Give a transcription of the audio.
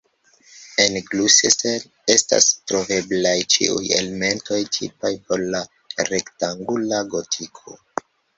En Gloucester estas troveblaj ĉiuj elementoj tipaj por la rektangula gotiko.